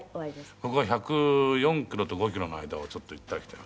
僕は１０４キロと１０５キロの間をちょっと行ったり来たり。